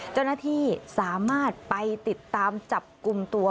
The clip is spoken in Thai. เจ้าหน้าที่สามารถไปติดตามจับกลุ่มตัว